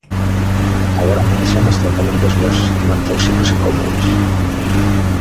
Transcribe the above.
Agora manexamos tratamentos bos, non tóxicos e cómodos.